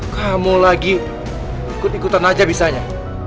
kamu lagi ikut ikutan aja bisanya